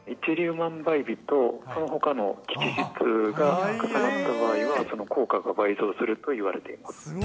一粒万倍日とそのほかのしきじくが重なった場合はその効果が倍増するといわれています。